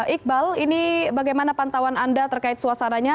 iqbal ini bagaimana pantauan anda terkait suasananya